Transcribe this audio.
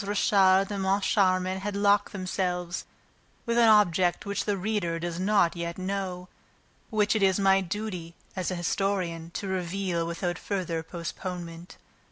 Richard and Moncharmin had locked themselves with an object which the reader does not yet know, but which it is my duty, as an historian, to reveal without further postponement.